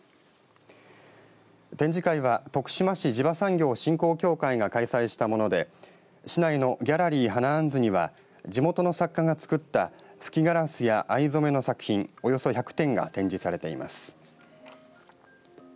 展示会は徳島市地場産業振興協会が開催したもので市内のギャラリー花杏豆には地元の作家がつくった吹きガラスや藍染めの作品、およそ１００点が展示されています。